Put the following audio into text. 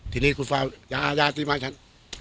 ทีนี้ย้าใช่ก็ติดมากเยี่ยมไง